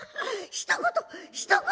「ひと言ひと言」。